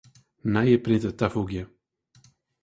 Nije printer tafoegje.